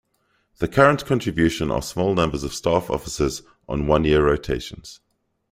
The current contribution are small numbers of staff officers on one-year rotations.